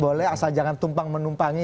boleh asal jangan tumpang menumpangi